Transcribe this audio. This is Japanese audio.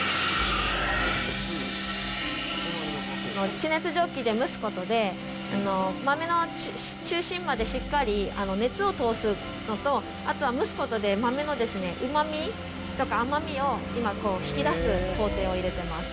地熱蒸気で蒸すことで、豆の中心までしっかり熱を通すのと、あとは蒸すことで豆のうまみとか甘みを今こう、引き出す工程を入れてます。